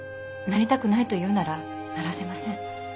なりたくないと言うならならせません。